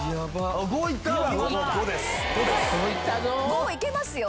５いけますよ。